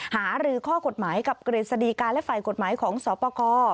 หารือข้อกฎหมายกับกฤษฎีการและฝ่ายกฎหมายของสปกร